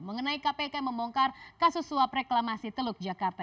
mengenai kpk membongkar kasus suap reklamasi teluk jakarta